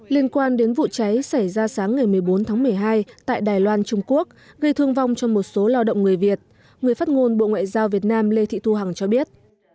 liên quan đến vụ cháy xảy ra sáng ngày một mươi bốn tháng một mươi hai tại đài loan trung quốc gây thương vong cho một số lao động người việt người phát ngôn bộ ngoại giao việt nam lê thị thu hằng cho biết